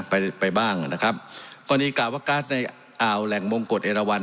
ไปไปบ้างนะครับกรณีกล่าวว่าก๊าซในอ่าวแหล่งมงกฎเอราวัน